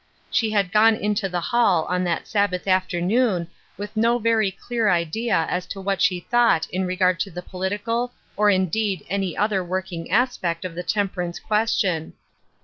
She had gone into the hall on that Sabbath afternoon with no very clear idea as to what she thought in regard to the political or indeed any other working aspect of the temper ance question.